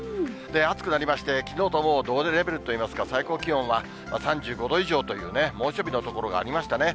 暑くなりまして、きのうともう同レベルといいますか、最高気温は３５度以上という猛暑日の所がありましたね。